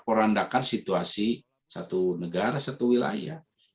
perandakan situasi satu negara satu wilayah